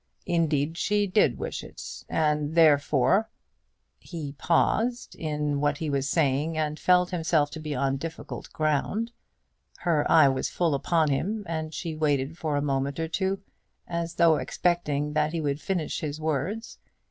Indeed she did wish it, and therefore " He paused in what he was saying, and felt himself to be on difficult ground. Her eye was full upon him, and she waited for a moment or two as though expecting that he would finish his words.